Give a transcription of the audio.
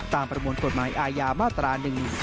ตามประมวลศพหมายอายามาตรา๑๙